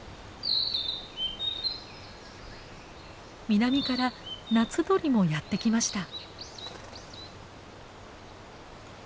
南から夏鳥もやって来ました。